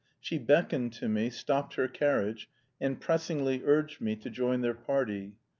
She beckoned to me, stopped her carriage, and pressingly urged me to join their party.